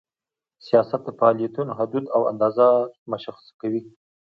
سیاست د فعالیتونو حدود او اندازه مشخص کوي.